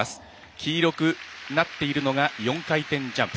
黄色くなっているのが４回転ジャンプ。